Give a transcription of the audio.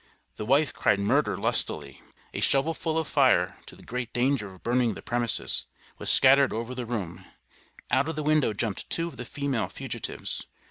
The wife cried murder lustily. A shovel full of fire, to the great danger of burning the premises, was scattered over the room; out of the window jumped two of the female fugitives.